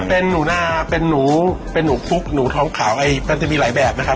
เป็นหนูนาเป็นหนูเป็นหนูฟุกหนูท้องขาวมันจะมีหลายแบบนะครับ